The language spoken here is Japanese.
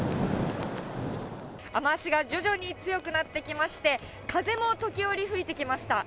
雨足が徐々に強くなってきまして、風も時折吹いてきました。